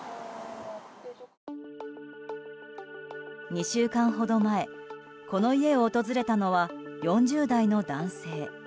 ２週間ほど前、この家を訪れたのは４０代の男性。